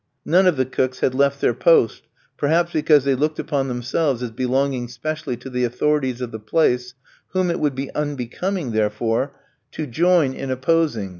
None of the cooks had left their post, perhaps because they looked upon themselves as belonging specially to the authorities of the place, whom it would be unbecoming, therefore, to join in opposing.